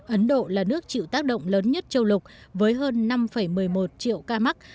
ấn độ là nước chịu tác động lớn nhất châu lục với hơn năm một mươi một triệu ca mắc